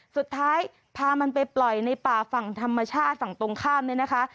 สุดท้ายพามันไปปล่อยในป่าฝั่งธรรมชาติฝั่งตรงข้ามเนี่ยนะคะ